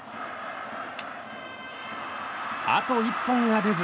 あと一本が出ず。